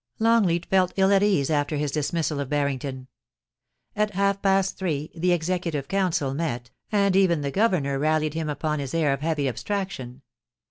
Longleat felt ill at ease after his dismissal of Barrington. At half past three the Executive Council met, and even the Governor rallied him upon his air of heavy abstraction.